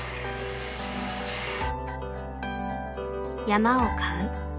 ［山を買う］